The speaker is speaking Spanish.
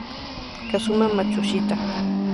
Kazuma Matsushita